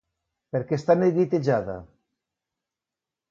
Per què està neguitejada?